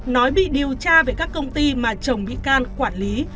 nói bị điều tra về các công ty mà chồng bị can quản lý